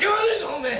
おめえ。